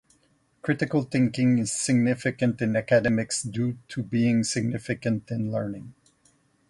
Critical thinking is significant in academics due to being significant in learning.